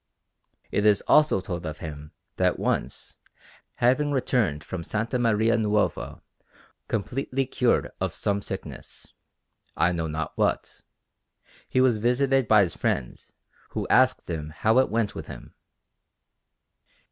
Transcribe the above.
It is also told of him that once, having returned from S. Maria Nuova completely cured of some sickness, I know not what, he was visited by his friends, who asked him how it went with him.